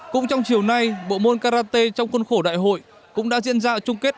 cũng trong chiều nay bộ môn karate trong khuôn khổ đại hội cũng đã diễn ra chung kết